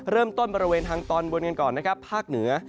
เริ่มต้นบริเวณทางตอนบนกันก่อนภาคเหนือ